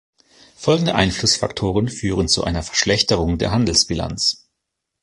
Folgende Einflussfaktoren führen zu einer Verschlechterung der Handelsbilanz.